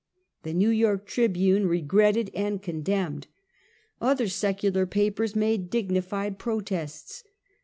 The E^ew York Tri hune regretted and condemned. Other secular papers made dignified protests.